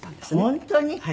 本当に？